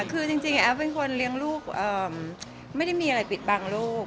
คือจริงแอฟเป็นคนเลี้ยงลูกไม่ได้มีอะไรปิดบังลูก